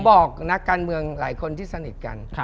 บอกนักการเมืองหลายคนที่สนิทกัน